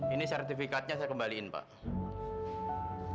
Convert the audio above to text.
ini sertifikatnya saya kembaliin pak